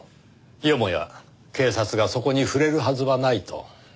よもや警察がそこに触れるはずはないと？